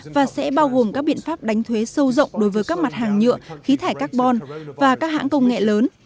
và sẽ bao gồm các biện pháp đánh thuế sâu rộng đối với các mặt hàng nhựa khí thải carbon và các hãng công nghệ lớn